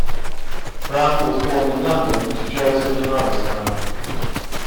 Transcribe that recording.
Brown was born in London to Joseph and Iris Brown.